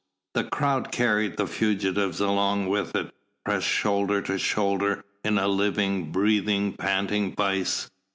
The crowd carried the fugitives along with it, pressed shoulder to shoulder in a living, breathing, panting vice.